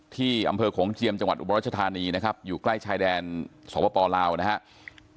ที่อำเภอโขงเจียมจังหวัดอุบรัชธานีนะครับอยู่ใกล้ชายแดนสวปลาวนะครับ